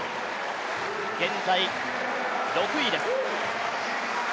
現在６位です。